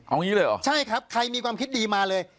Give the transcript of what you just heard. เอางี้เลยเหรอใช่ครับใครมีความคิดดีมาเลย